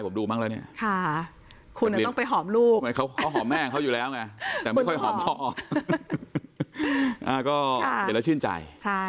เห้อไปคนแรกตลอดเลย